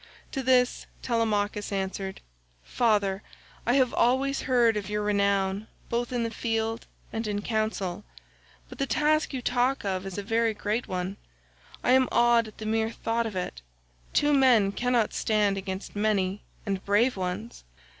To this Telemachus answered, "Father, I have always heard of your renown both in the field and in council, but the task you talk of is a very great one: I am awed at the mere thought of it; two men cannot stand against many and brave ones.